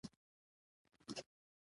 چي آزاد له پنجرو سي د ښکاریانو